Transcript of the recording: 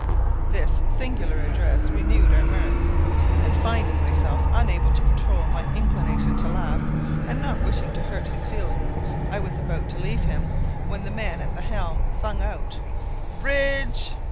This singular address renewed our mirth; and, finding myself unable to control my inclination to laugh, and not wishing to hurt his feelings, I was about to leave him, when the man at the helm sung out, "Bridge!"